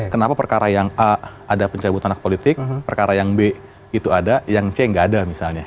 kenapa perkara yang a ada pencabutan hak politik perkara yang b itu ada yang c nggak ada misalnya